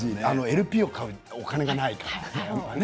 ＬＰを買うお金がないからね。